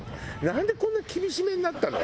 なんでこんな厳しめになったの？